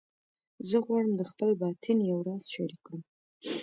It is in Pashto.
زه غواړم د خپل باطن یو راز شریک کړم